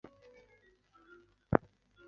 这亦是球队在洲际比赛的第一个冠军。